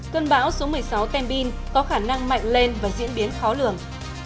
cơn bão số một mươi sáu tembin có khả năng mạnh lên và diễn biến khó lường